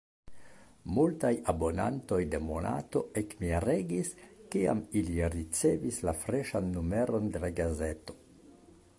Multaj abonantoj de Monato ekmiregis, kiam ili ricevis la freŝan numeron de la gazeto.